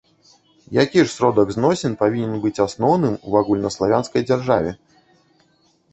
Які ж сродак зносін павінен быць асноўным у агульнаславянскай дзяржаве?